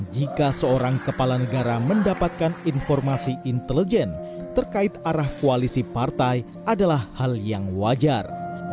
jika seorang kepala negara mendapatkan informasi intelijen terkait arah koalisi partai adalah hal yang wajar